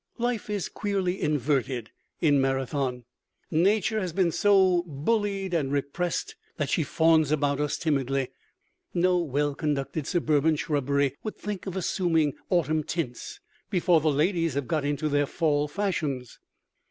Life is queerly inverted in Marathon. Nature has been so bullied and repressed that she fawns about us timidly. No well conducted suburban shrubbery would think of assuming autumn tints before the ladies have got into their fall fashions.